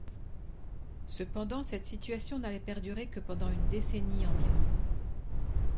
Cependant, cette situation n’allait perdurer que pendant une décennie environ.